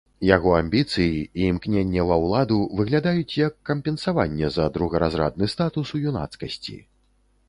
Яго амбіцыі і імкненне ва ўладу выглядаюць як кампенсаванне за другаразрадны статус у юнацкасці.